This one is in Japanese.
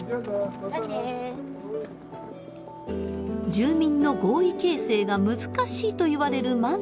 住民の合意形成が難しいといわれるマンション。